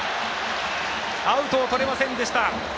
アウトとれませんでした。